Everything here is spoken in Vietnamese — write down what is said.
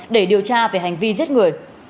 để điều tra về hành vi giết người